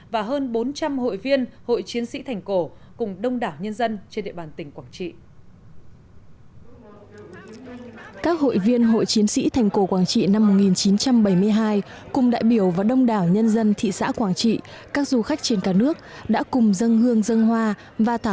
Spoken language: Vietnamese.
và hơn bốn trăm linh hội viên hội chiến sĩ thành cổ cùng đông đảo nhân dân trên địa bàn tỉnh quảng trị